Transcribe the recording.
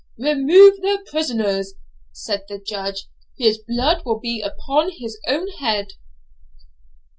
'Remove the prisoners,' said the Judge; 'his blood be upon his own head.'